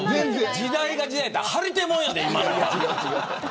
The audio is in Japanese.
時代が時代やったら張り手もんやで。